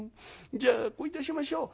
じゃあこういたしましょう。